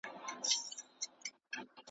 را تاو سوی لکه مار پر خزانه وي .